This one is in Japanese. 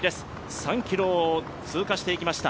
３ｋｍを通過していきました。